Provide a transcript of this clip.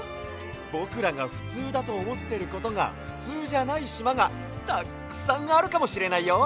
ぼくらがふつうだとおもってることがふつうじゃないしまがたっくさんあるかもしれないよ。